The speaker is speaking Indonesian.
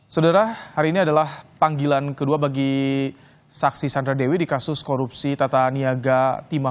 saudara hari ini adalah panggilan kedua bagi saksi sandra dewi di kasus korupsi tata niaga tiga